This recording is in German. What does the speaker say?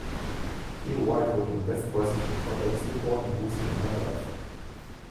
Leo White wurde im westpreußischen Graudenz geboren und wuchs in England auf.